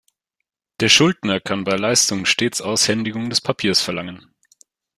Der Schuldner kann bei Leistung stets Aushändigung des Papiers verlangen.